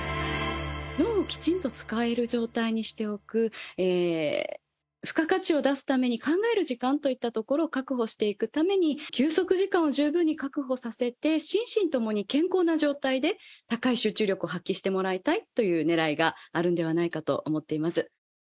脳をきちんと使える状態にしておく、付加価値を出すために考える時間といったところを確保していくために、休息時間を十分に確保させて、心身ともに健康な状態で、高い集中力を発揮してもらいたいというねらいがあるんではないかと思っています。